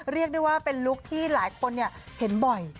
เรียกได้ว่าเป็นลุคที่หลายคนเห็นบ่อย